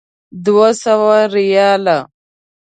دوه سوه ریاله.